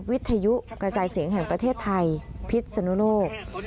วิทยุกระจายเสียงแห่งประเทศไทยพิษนุโลก